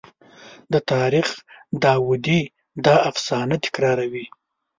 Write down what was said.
د تاریخ داودي دا افسانه تکراروي.